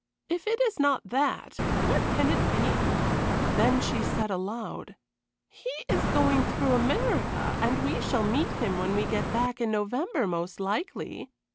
If it is not that, what can it be?" Then she said aloud: "He is going through America, and we shall meet him when we get back in November, most likely.